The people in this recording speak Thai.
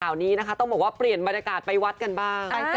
ข่าวนี้นะคะต้องบอกว่าเปลี่ยนบรรยากาศไปวัดกันบ้าง